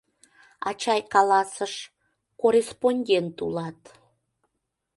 Ачай каласыш: корреспондент улат.